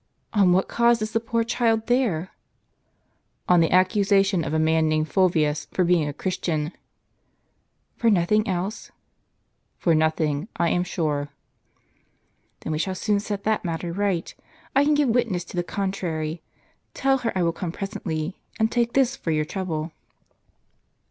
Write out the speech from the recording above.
" On what cause is the poor child there ?"" On the accusation of a man named Fulvius, for being a Christian." " For nothing else ?"" For nothing, I am sure." " Then we shall soon set that matter right. I can give witness to the contrary. Tell her I will come presently ; and take this for your trouble."